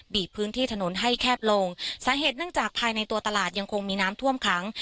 พื้นที่ถนนให้แคบลงสาเหตุเนื่องจากภายในตัวตลาดยังคงมีน้ำท่วมขัง